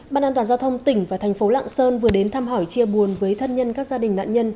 ban an toàn giao thông tỉnh và thành phố lạng sơn vừa đến thăm hỏi chia buồn với thân nhân các gia đình nạn nhân